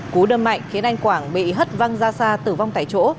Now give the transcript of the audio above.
cú đâm mạnh khiến anh quảng bị hất văng ra xa tử vong tại chỗ